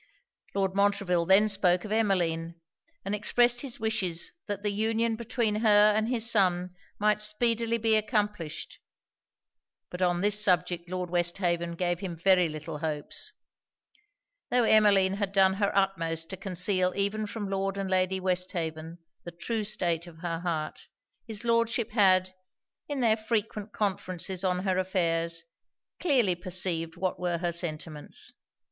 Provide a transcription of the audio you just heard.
Lord Montreville then spoke of Emmeline; and expressed his wishes that the union between her and his son might speedily be accomplished: but on this subject Lord Westhaven gave him very little hopes. Tho' Emmeline had done her utmost to conceal even from Lord and Lady Westhaven the true state of her heart, his Lordship had, in their frequent conferences on her affairs, clearly perceived what were her sentiments.